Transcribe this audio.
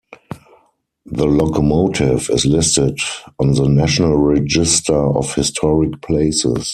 The locomotive is listed on the National Register of Historic Places.